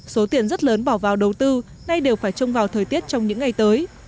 số tiền rất lớn bỏ vào đầu tư nay đều phải trông vào thời tiết trong những ngày tới